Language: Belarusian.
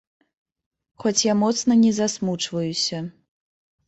Хоць я моцна не засмучваюся.